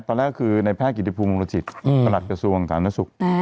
ตอนแรกคือในแพทย์กิจภูมิมูลจิตอืมตลัดจัดส่วนของฐานนักศึกษ์อ่า